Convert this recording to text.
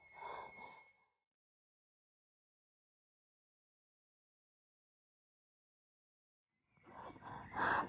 terima kasih sayang